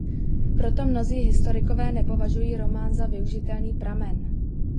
Proto mnozí historikové nepovažují román za využitelný pramen.